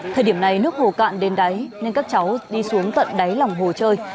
thời điểm này nước hồ cạn đến đáy nên các cháu đi xuống tận đáy lòng hồ chơi